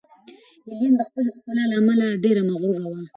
ایلین د خپلې ښکلا له امله ډېره مغروره وه.